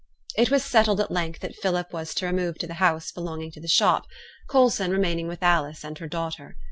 It was settled at length that Philip was to remove to the house belonging to the shop, Coulson remaining with Alice and her daughter.